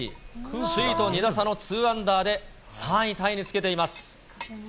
首位と２打差の２アンダーで３位タイにつけています。